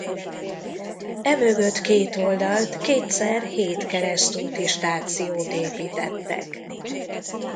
E mögött kétoldalt kétszer hét keresztúti stációt építettek.